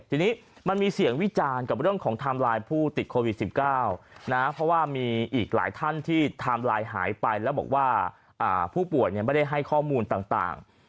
ทีนี้มันมีเสียงวิจารณ์กับเรื่องของไทม์ไลน์ผู้ติดโควิด๑๙นะเพราะว่ามีอีกหลายท่านที่ไทม์ไลน์หายไปแล้วบอกว่าผู้ป่วยไม่ได้ให้ข้อมูลต่าง